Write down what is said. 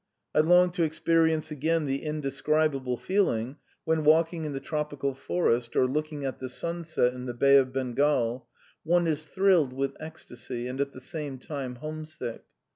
I longed to experience again the indescribable feeling when, walking in the tropical forest or looking at the sunset in the Bay of Bengal, one is thrilled with ecstasy and at the same time homesick.